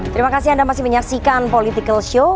terima kasih anda masih menyaksikan political show